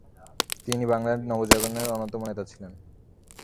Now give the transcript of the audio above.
তিনি বাংলার নবজাগরণের অন্যতম নেতা ছিলেন।